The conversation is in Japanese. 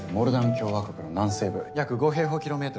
共和国の南西部約５平方キロメートルの敷地。